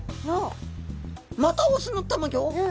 また雄のたまギョ。